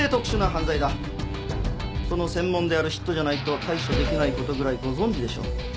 その専門であるＳＩＴじゃないと対処できないことぐらいご存じでしょ？